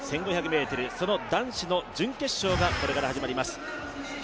１５００ｍその男子の準決勝がこれから始まります。